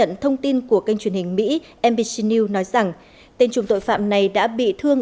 xác nhận thông tin của kênh truyền hình mỹ nbc news nói rằng tên chung tội phạm này đã bị thương